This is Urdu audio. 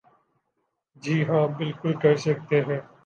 جی ہاں بالکل کر سکتے ہیں ۔